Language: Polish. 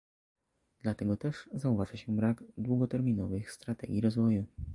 Dlatego też zauważa się brak długoterminowych strategii rozwoju